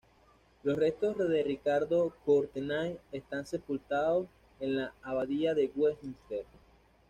Los restos de Ricardo Courtenay están sepultados en la Abadía de Westminster.